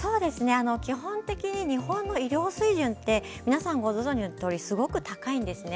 基本的に日本の医療水準って、ご存じのとおり、すごい高いんですね。